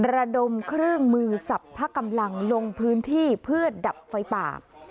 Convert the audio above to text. ระดมเครื่องมือสับพะกำลังลงพื้นที่เพื่อดับไฟป่า